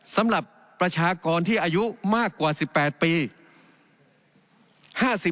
สำหรับประชากรที่อายุมากกว่า๑๘ปี